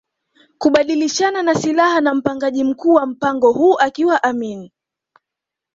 kubadilishana na silaha na mpangaji mkuu wa mpango huu akiwa Amin